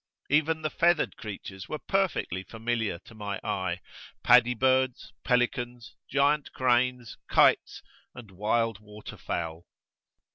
Even the feathered creatures were perfectly familiar to my eye [p.32]paddy birds, pelicans, giant cranes, kites and wild water fowl.